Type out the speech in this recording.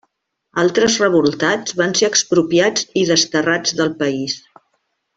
Altres revoltats van ser expropiats i desterrats del país.